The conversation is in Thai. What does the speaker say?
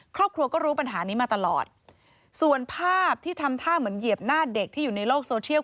ครอบครัวก็รู้ปัญหานี้มาตลอดส่วนภาพที่ทำท่าเหมือนเหยียบหน้าเด็กที่อยู่ในโลกโซเชียล